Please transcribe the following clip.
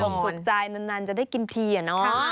สนใจนานจะได้กินทีอะเนาะ